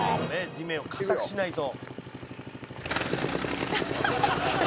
「地面を硬くしないと」